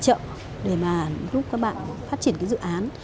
những cái trợ để mà giúp các bạn phát triển cái dự án